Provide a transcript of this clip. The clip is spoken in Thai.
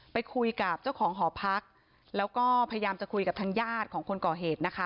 ไปคุยกับเจ้าของหอพักแล้วก็พยายามจะคุยกับทางญาติของคนก่อเหตุนะคะ